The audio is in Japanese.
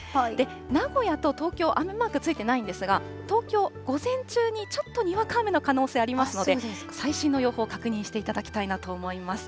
名古屋と東京、雨マークついてないんですが、東京、午前中にちょっとにわか雨の可能性ありますので、最新の予報を確認していただきたいなと思います。